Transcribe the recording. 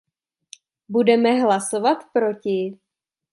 Budeme hlasovat proti.